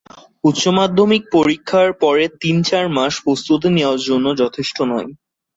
উচ্চমাধ্যমিক পরীক্ষার পরের তিন চার মাস প্রস্তুতি নেওয়ার জন্য যথেষ্ট নয়।